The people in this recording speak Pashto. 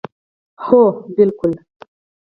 هو بلکل